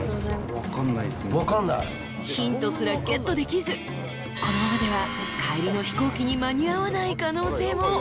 ［ヒントすらゲットできずこのままでは帰りの飛行機に間に合わない可能性も］